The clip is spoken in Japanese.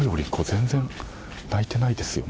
全然、泣いてないですよ。